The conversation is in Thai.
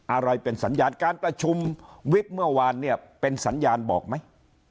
อะไรเป็นสัญญาณการประชุมวิบเมื่อวานเนี่ยเป็นสัญญาณบอกไหม